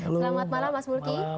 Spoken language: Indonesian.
selamat malam mas mulki